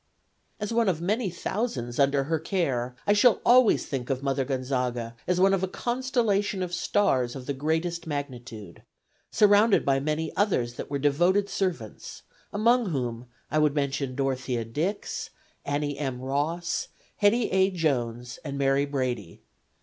"As one of many thousands under her care I shall always think of Mother Gonzaga as one of a constellation of stars of the greatest magnitude surrounded by many others that were devoted servants, among whom I would mention Dorothea Dix, Annie M. Ross, Hettie A. Jones and Mary Brady.